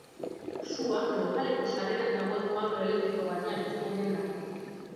Sua lokaleko sarreran dagoen koadro elektriko batean piztu omen da.